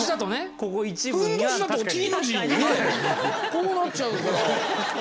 こうなっちゃうから。